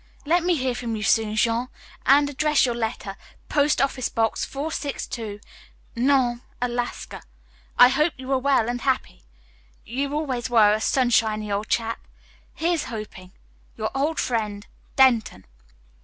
"Let me hear from you soon, Jean, and address your letter, Post Office Box 462, Nome, Alaska. I hope you are well and happy. You always were a sunshiny old chap. Here's hoping. "Your old friend, "DENTON."